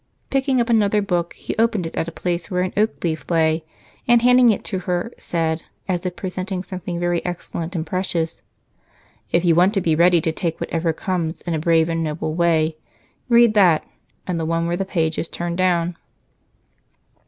Picking up another book, he opened it at a place where an oak leaf lay and, handing it to her, said, as if presenting something very excellent and precious: "If you want to be ready to take whatever comes in a brave and noble way, read that, and the one where the page is turned down."